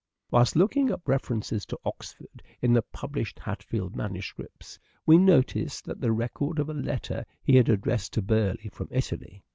Whilst looking up references to Oxford in the published Hatfield manuscripts we noticed the record of a letter he had addressed to Burleigh from Italy.